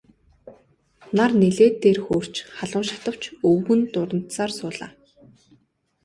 Нар нэлээд дээр хөөрч халуун шатавч өвгөн дурандсаар суулаа.